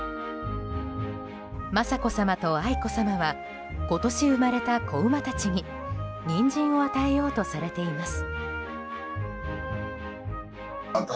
雅子さまと愛子さまは今年生まれた子馬たちにニンジンを与えようとされています。